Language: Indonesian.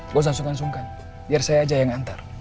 gak usah sungkan sungkan biar saya aja yang antar